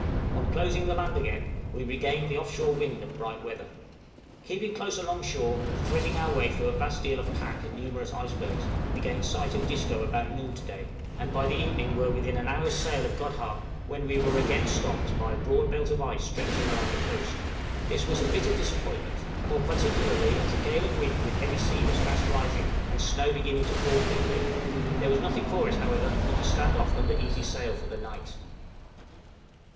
On closing the land again, we regained the off shore wind, and bright weather. {STOPPED BY THE ICE.} Keeping close alongshore, and threading our way through a vast deal of "pack" and numerous icebergs, we gained sight of Disco about noon to day, and by the evening were within an hour's sail of Godhavn, when we were again stopped by a broad belt of ice stretching along the coast; this was a bitter disappointment, more particularly as a gale of wind with heavy sea was fast rising, and snow beginning to fall thickly; there was nothing for it, however, but to stand off under easy sail for the night.